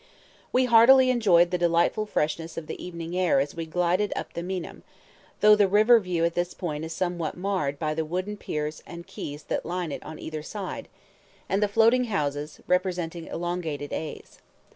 We heartily enjoyed the delightful freshness of the evening air as we glided up the Meinam, though the river view at this point is somewhat marred by the wooden piers and quays that line it on either side, and the floating houses, representing elongated A's.